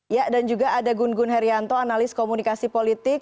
ya dan juga ada gun gun herianto analis komunikasi politik